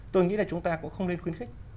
tôi nghĩ là chúng ta cũng không nên khuyến khích